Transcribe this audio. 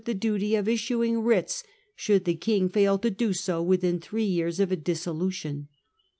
the duty of issuing writs should the King fail to do so within three years of a dissolution.